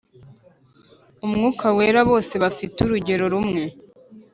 Umwuka wera bose bafite urugero rumwe